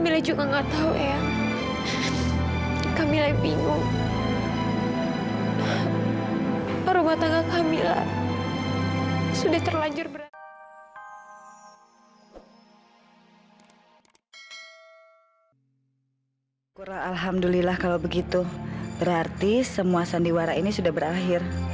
rumah tangga kamila sudah terlanjur berat